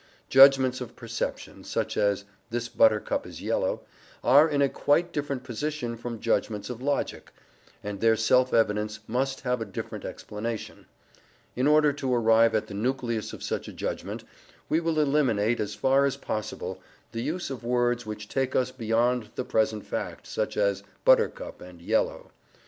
Judgments of perception, such as "this buttercup is yellow," are in a quite different position from judgments of logic, and their self evidence must have a different explanation. In order to arrive at the nucleus of such a judgment, we will eliminate, as far as possible, the use of words which take us beyond the present fact, such as "buttercup" and "yellow."